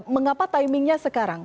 mengapa timingnya sekarang